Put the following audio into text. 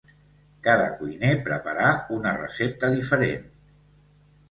Cada cuiner preparà una recepta diferent.